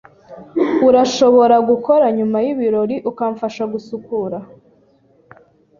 Urashobora gukomera nyuma yibirori ukamfasha gusukura?